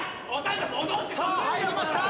さあ入りました。